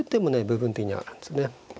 部分的にはあるんですね。